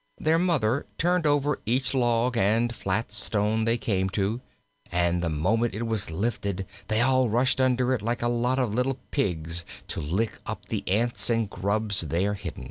Their Mother turned over each log and flat stone they came to, and the moment it was lifted they all rushed under it like a lot of little pigs to lick up the ants and grubs there hidden.